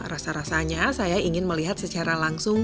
rasa rasanya saya ingin melihat secara langsung